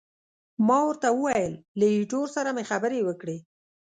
ما ورته وویل، له ایټور سره مې خبرې وکړې.